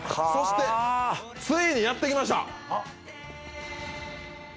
そしてついにやってきました！